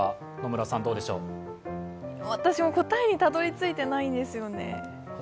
私も答えにたどりついてないんですよね。